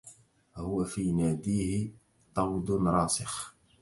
هو في ناديه طود راسخ